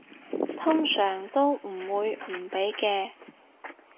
通常都唔會唔俾嘅